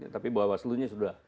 tapi bawaslu sudah